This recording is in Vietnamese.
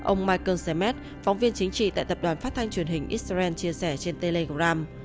ông michael samet phóng viên chính trị tại tập đoàn phát thanh truyền hình israel chia sẻ trên telegram